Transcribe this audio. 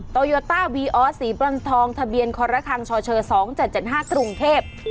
ตอยอต้าวีออสสีบรรทองทะเบียนครณภัณฑ์ช่อเชอร์๒๗๗๕ตรุงเทพฯ